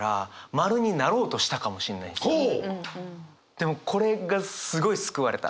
でもこれがすごい救われた。